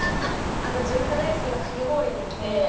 あと自分が大好きなかき氷に行って。